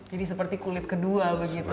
jadi seperti kulit kedua begitu ya pak